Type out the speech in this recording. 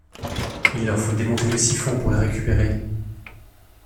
Il leur faut démonter le siphon pour la récupérer.